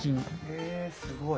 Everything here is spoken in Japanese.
へえすごい。